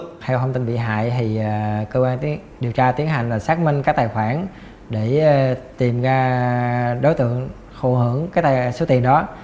theo thông tin bị hại thì cơ quan điều tra tiến hành là xác minh các tài khoản để tìm ra đối tượng thù hưởng cái số tiền đó